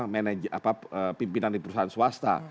mau jadi pimpinan di perusahaan swasta